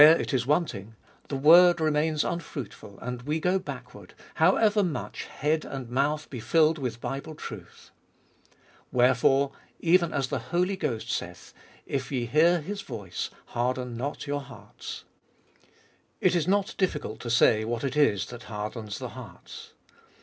Where it is wanting, the word remains unfruitful, and we go backward, however much head and mouth be filled with Bible truth. Wherefore, even as the Holy Ghost saith, If ye hear His voice, harden not your hearts. It is not difficult to say what it is that hardens the hearts.